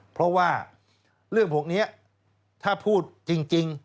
เพราะว่าเรื่องพวกนี้ถ้าพูดจริง